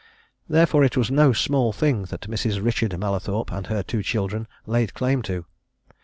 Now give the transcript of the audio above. Therefore, it was no small thing that Mrs. Richard Mallathorpe and her two children laid claim to.